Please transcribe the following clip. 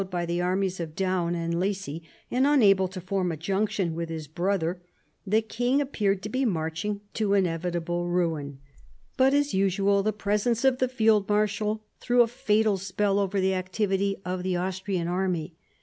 Closely followed by the armies of Daun and Lacy, and unable to form a junction with his brother, the king appeared to be marching to inevitable ruin. But, as usual, the presence of the field marshal threw a fatal spell over the activity of the Austrian army.